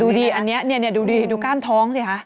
ดูดีอันนี้ดูดีดูก้านท้องสิคะ